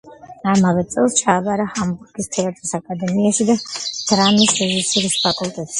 ამავე წელს ჩააბარა ჰამბურგის თეატრის აკადემიაში, დრამის რეჟისურის ფაკულტეტზე.